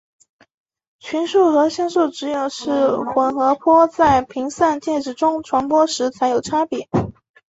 群速和相速只有是混合波在频散介质中传播时才有差别。